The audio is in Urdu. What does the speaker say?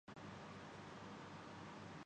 میں چیزوں میں عجلت کرتا ہوں